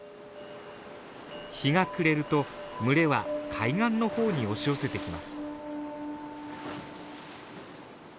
日が暮れると群れは海岸の方に押し寄せてきます。